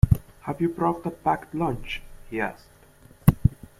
Have you brought a packed lunch? he asked